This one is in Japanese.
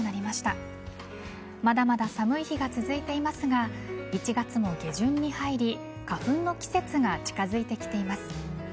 まだまだ寒い日が続いていますが１月も下旬に入り花粉の季節が近づいてきています。